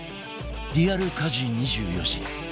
リアル家事２４時